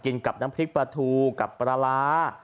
กับน้ำพริกปลาทูกับปลาร้า